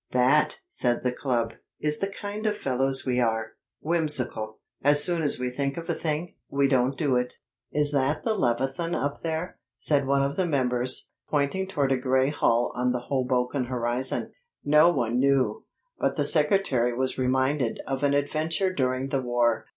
"That," said the club, "is the kind of fellows we are. Whimsical. As soon as we think of a thing, we don't do it." "Is that the Leviathan up there?" said one of the members, pointing toward a gray hull on the Hoboken horizon. No one knew, but the secretary was reminded of an adventure during the war.